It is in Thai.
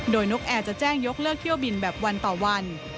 โดยนกแอร์จะแจ้งยกเลิกเที่ยวบินแบบวันต่อวัน